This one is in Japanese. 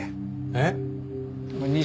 えっ？